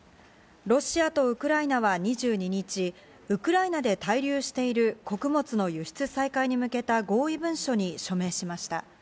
ロシアとウクライナは２２日、ウクライナで滞留している穀物の輸出再開に向けた合意文書に署名しました。